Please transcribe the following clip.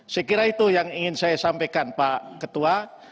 saya kira itu yang ingin saya sampaikan pak ketua